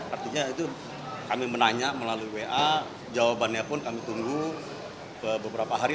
artinya itu kami menanya melalui wa jawabannya pun kami tunggu beberapa hari